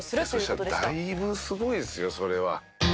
そしたらだいぶすごいですよそれは。